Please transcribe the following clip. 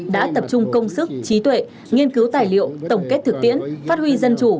đã tập trung công sức trí tuệ nghiên cứu tài liệu tổng kết thực tiễn phát huy dân chủ